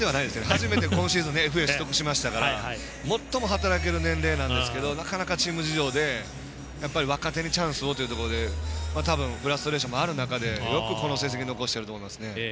初めての今シーズンＦＡ取得しましたから最も働ける年齢なんですけどなかなかチーム事情で若手にチャンスというところフラストレーションある中でよく、この成績残してると思います。